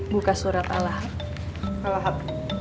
buka surat allahab